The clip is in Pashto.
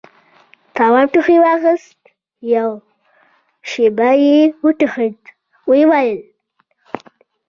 تواب ټوخي واخيست، يوه شېبه يې وټوخل، ويې ويل: